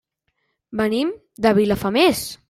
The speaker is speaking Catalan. Venim de Vilafamés.